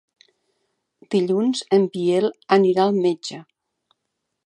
Dilluns en Biel anirà al metge.